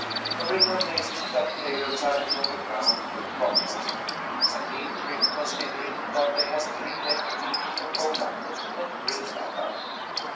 A ring of natives sat tailor fashion on the ground in front of them a neat trick considering that they had three legs each to fold up and grinned at us.